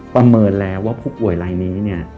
ประเมินแล้วว่าผู้ป่วยรายนี้เนี่ย